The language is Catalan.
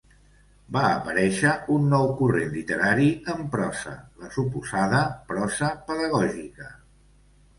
Va aparèixer un nou corrent literari en prosa, la suposada prosa pedagògica.